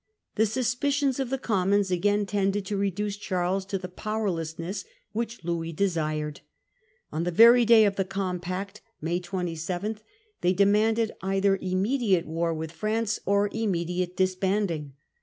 The suspicions of the Commons again tended to reduce Charles to the powerlessness which Louis desired. The On the very day of the compact, May 27, they Commons demanded either immediate war with France insist on disbanding, or immediate disbanding.